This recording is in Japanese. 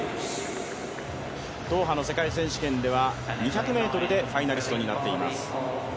ドーハの世界選手権では２００ｍでファイナリストになっています。